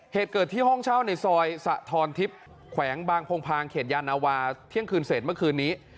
เหตุเกิดที่ห้องเช่าในซอยสะทอนทิพย์แขวงบางพงพางเขตยานาวาเที่ยงคืนเศษเมื่อคืนนี้